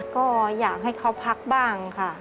ก็อยากให้เขาพักบ้างค่ะ